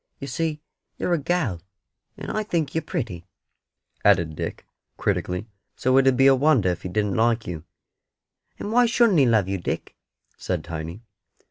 You see you're a gal, and I think you're pretty," added Dick, critically; "so it 'ud be a wonder if He didn't like you." "And why shouldn't He love you, Dick?" said Tiny.